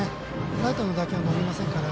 ライトの打球は伸びませんから。